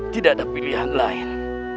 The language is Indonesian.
tidak ada pilihan lain